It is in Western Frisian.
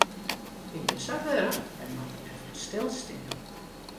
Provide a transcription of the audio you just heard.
Ik bin sa warch, wy moatte efkes stilstean.